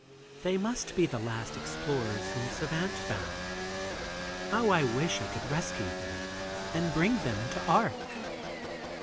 "They must be the last explorers whom Savant found. How I wish I could rescue them and bring them into Arc."